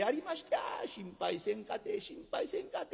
「あ心配せんかてええ心配せんかてええ。